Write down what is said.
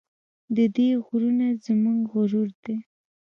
د دې غرونه زموږ غرور دی؟